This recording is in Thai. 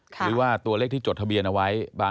หรือว่าตัวเลขที่จดทะเบียนเอาไว้